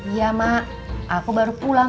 iya mak aku baru pulang